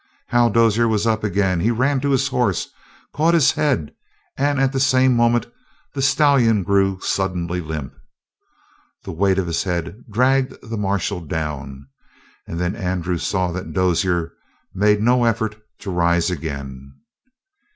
Hal Dozier was up again; he ran to his horse, caught his head, and at the same moment the stallion grew suddenly limp. The weight of his head dragged the marshal down, and then Andrew saw that Dozier made no effort to rise again.